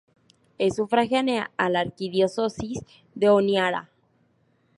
Es sufragánea a la Arquidiócesis de Honiara.